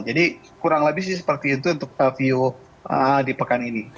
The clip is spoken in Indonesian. jadi kurang lebih sih seperti itu untuk view di pekan ini